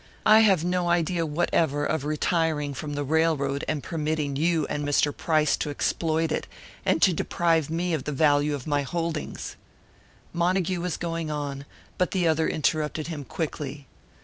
I have no idea whatever of retiring from the railroad and permitting you and Mr. Price to exploit it, and to deprive me of the value of my holdings " Montague was going on, but the other interrupted him quickly.